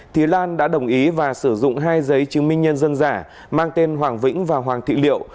thì lan đã đồng ý và sử dụng hai giấy chứng minh nhân dân giả mang tên hoàng vĩnh và hoàng thị liệu